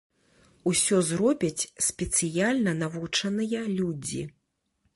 Усё зробяць спецыяльна навучаныя людзі.